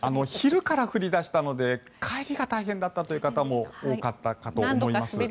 昼から降り出したので帰りが大変だったという方も多かったかと思います。